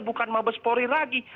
bukan mabespori lagi